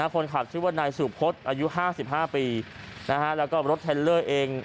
คนขับชื่อว่านายสุพศอายุ๕๕ปีแล้วก็รถเทลเลอร์เอง